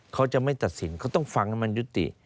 เขาจะไม่ตัดสินเขาต้องฟังให้มันยุติ